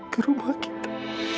ke rumah kita